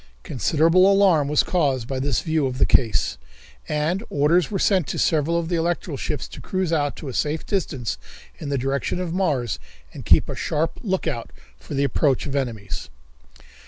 Considerable alarm was caused by this view of the case, and orders were sent to several of the electrical ships to cruise out to a safe distance in the direction of Mars and keep a sharp outlook for the approach of enemies.